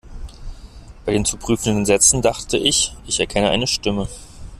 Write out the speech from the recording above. Bei den zu prüfenden Sätzen dachte ich, ich erkenne eine Stimme.